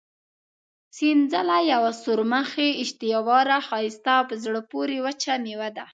سنځله یوه سورمخې، اشتها اوره، ښایسته او په زړه پورې وچه مېوه ده.